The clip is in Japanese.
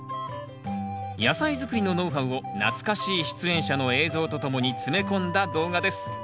野菜作りのノウハウを懐かしい出演者の映像とともに詰め込んだ動画です。